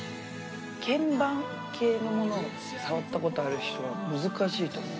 鍵盤系のもの触ったことある人は、難しいと思う。